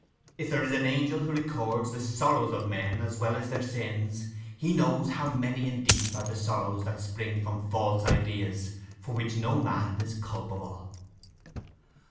If there is an angel who records the sorrows of men as well as their sins, he knows how many and deep are the sorrows that spring from false ideas for which no man is culpable.